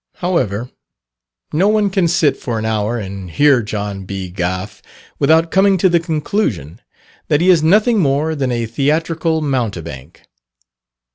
However, no one can sit for an hour and hear John. B. Gough, without coming to the conclusion that he is nothing more than a theatrical mountebank.